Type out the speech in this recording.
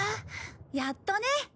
やっとね。